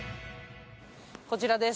こちらです。